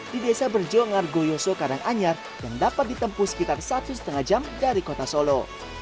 di desa berjongar goyoso karanganyar yang dapat ditempuh sekitar satu lima jam dari kota solo